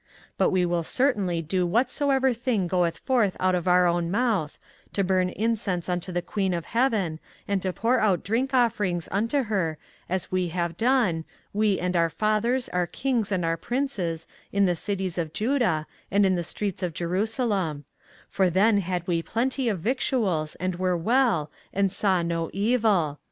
24:044:017 But we will certainly do whatsoever thing goeth forth out of our own mouth, to burn incense unto the queen of heaven, and to pour out drink offerings unto her, as we have done, we, and our fathers, our kings, and our princes, in the cities of Judah, and in the streets of Jerusalem: for then had we plenty of victuals, and were well, and saw no evil.